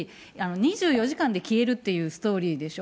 ２４時間で消えるっていうストーリーでしょ。